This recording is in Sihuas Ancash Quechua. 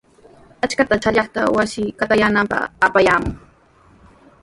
Achka chaqllata wasi qatayaananpaq apaykaayaamun.